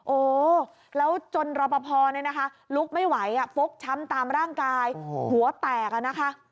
โอ้แล้วจนรอปภเนี่ยนะคะลุกไม่ไหวฟกช้ำตามร่างกายหัวแตกอะนะคะ